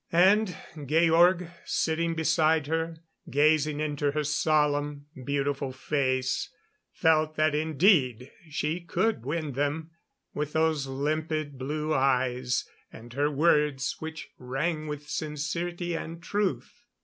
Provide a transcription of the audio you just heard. And Georg, sitting beside her, gazing into her solemn, beautiful face, felt that indeed she could win them, with those limpid blue eyes and her words which rang with sincerity and truth.